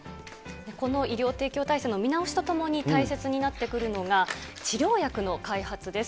この医療提供体制の見直しとともに大切になってくるのが、治療薬の開発です。